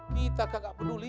kita kagak peduli